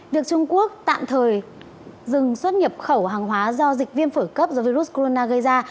việc trung quốc tạm thời dừng xuất nhập khẩu hàng hóa do dịch viêm phổi cấp do virus corona gây ra